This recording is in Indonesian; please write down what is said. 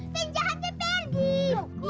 pinjah hati pergi